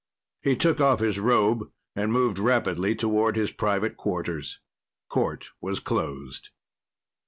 He took off his robe and moved rapidly toward his private quarters. Court was closed.